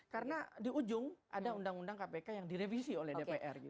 karena di ujung ada undang undang kpk yang direvisi oleh dpr